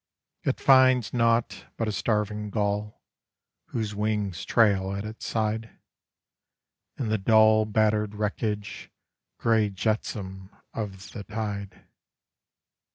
It finds naught but a starving gull whose wings trail at its side, And the dull battered wreckage, grey jetsam of the tide.